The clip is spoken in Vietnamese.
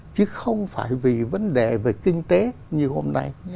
chứ không phải vì vấn đề về kinh tế như hôm nay